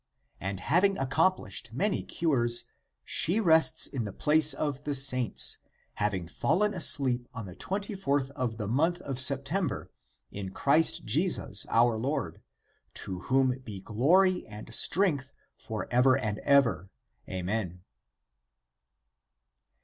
And having accomplished many cures, she rests in the place of the saints, having fallen asleep on the twenty fourth of the month of September in Christ Jesus our Lord, to whom be glory and strength for ever and ever. Amen."